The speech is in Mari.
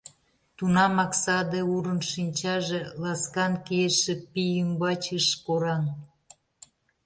Тунамак саде урын шинчаже ласкан кийыше пий ӱмбач ыш кораҥ.